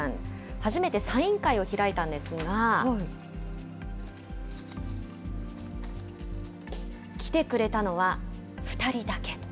初めてサイン会を開いたんですが。来てくれたのは２人だけ。